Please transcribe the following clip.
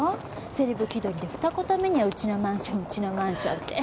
セレブ気取りで二言目にはうちのマンションうちのマンションって。